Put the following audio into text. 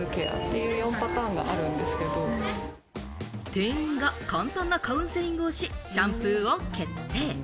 店員が簡単なカウンセリングをし、シャンプーを決定。